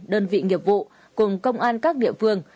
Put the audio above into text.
đơn vị nghiệp vụ cùng công an các địa phương